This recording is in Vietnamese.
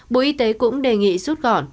bộ y tế cũng đề nghị rút gọn